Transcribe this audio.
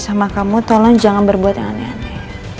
sama kamu tolong jangan berbuat yang aneh aneh